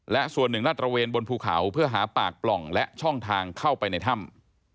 และส่วนหนึ่งลาดตระเวนบนภูเขาเพื่อหาปากปล่องและช่องทางเข้าไปในถ้ำ